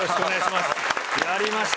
やりました！